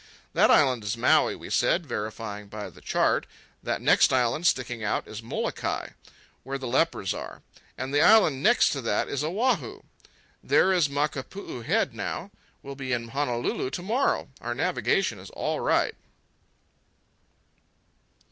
"That island is Maui," we said, verifying by the chart. "That next island sticking out is Molokai, where the lepers are. And the island next to that is Oahu. There is Makapuu Head now. We'll be in Honolulu to morrow. Our navigation is all right."